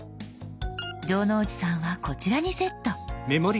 城之内さんはこちらにセット。